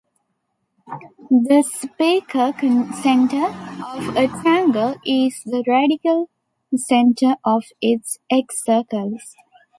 The Spieker center of a triangle is the radical center of its excircles.